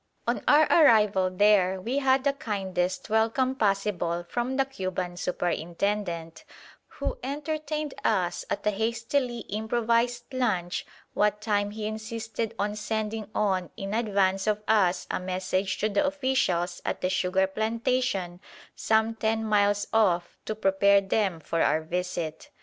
On our arrival there we had the kindest welcome possible from the Cuban superintendent, who entertained us at a hastily improvised lunch what time he insisted on sending on in advance of us a message to the officials at the sugar plantation some ten miles off to prepare them for our visit.